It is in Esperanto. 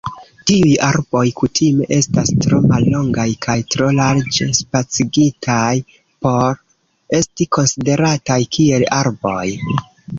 Tiuj arboj kutime estas tro mallongaj kaj tro larĝ-spacigitaj por esti konsiderataj kiel arbaroj.